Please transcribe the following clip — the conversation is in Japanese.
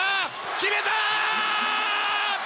決めた！